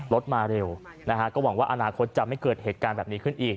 รถมาเร็วนะฮะก็หวังว่าอนาคตจะไม่เกิดเหตุการณ์แบบนี้ขึ้นอีก